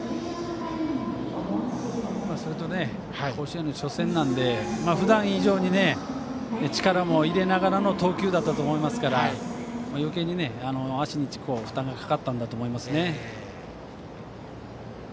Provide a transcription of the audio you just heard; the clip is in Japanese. それと甲子園の初戦なのでふだん以上に力を入れながらの投球だったと思いますから余計に、足に負担がかかったんだと思いますね。